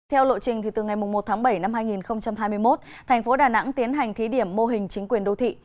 theo lộ trình từ ngày một tháng bảy năm hai nghìn hai mươi một thành phố đà nẵng tiến hành thí điểm mô hình chính quyền đô thị